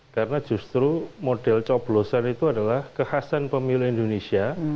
karena justru model coblosan itu adalah kekhasan pemilu indonesia